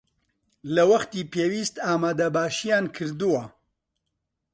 لە وەختی پێویست ئامادەباشییان کردووە